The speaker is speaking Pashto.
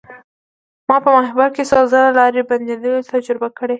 ما په ماهیپر کې څو ځله لارې بندیدل تجربه کړي.